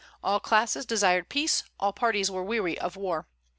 All classes desired peace; all parties were weary of war.